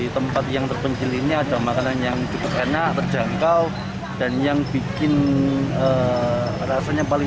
tempat yang terpencil ini ada makanan yang cukup enak terjangkau dan yang bikin rasanya paling